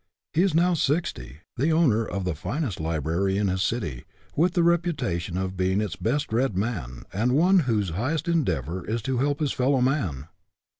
He is now sixty, the owner of the finest library in his city, with the reputa tion of being its best read man, and one whose highest endeavor is to help his fellow man.